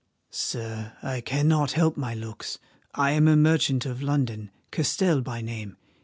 "Sir, I cannot help my looks. I am a merchant of London, Castell by name.